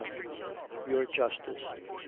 Your justice. ..